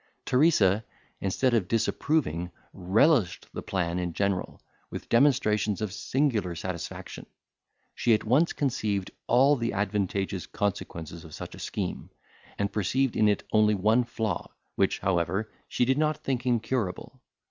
Teresa, instead of disapproving, relished the plan in general, with demonstrations of singular satisfaction. She at once conceived all the advantageous consequences of such a scheme, and perceived in it only one flaw, which, however, she did not think incurable.